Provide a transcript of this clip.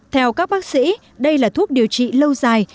theo các bác sĩ đây là thuốc điều trị lâu dài